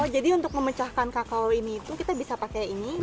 jadi untuk memecahkan kakao ini kita bisa pakai ini